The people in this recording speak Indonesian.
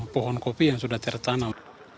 pohon kopi yang sudah tertanam